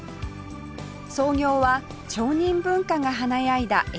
創業は町人文化が華やいだ江戸後期